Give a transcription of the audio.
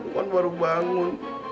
gue baru bangun